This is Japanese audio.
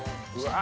あ！